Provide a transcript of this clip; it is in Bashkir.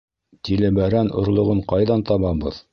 Тилебәрән орлоғон ҡайҙан табабыҙ?